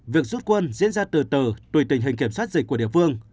việc rút quân diễn ra từ từ tùy tình hình kiểm soát dịch của địa phương